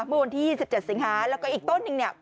เมื่อวันที่๑๗สิงหาแล้วก็อีกต้นนึงเนี่ย